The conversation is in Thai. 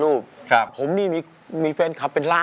ออกอันเดียวเป็นไร